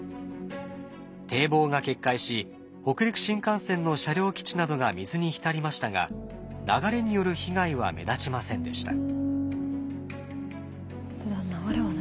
堤防が決壊し北陸新幹線の車両基地などが水に浸りましたが流れによる被害は目立ちませんでした。